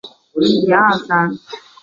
高山地榆是蔷薇科地榆属的植物。